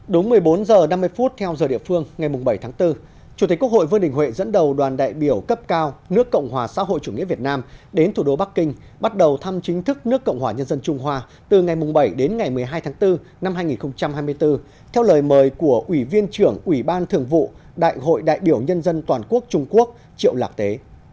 đúng một mươi bốn h năm mươi theo giờ địa phương ngày bảy tháng bốn chủ tịch quốc hội vương đình huệ dẫn đầu đoàn đại biểu cấp cao nước cộng hòa xã hội chủ nghĩa việt nam đến thủ đô bắc kinh bắt đầu thăm chính thức nước cộng hòa nhân dân trung hoa từ ngày bảy đến ngày một mươi hai tháng bốn năm hai nghìn hai mươi bốn theo lời mời của ủy viên trưởng ủy ban thường vụ đại hội đại biểu nhân dân toàn quốc trung quốc triệu lạc tế